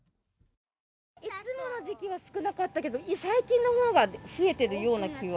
いつもの時期は少なかったけど、最近のほうが増えてるような気は。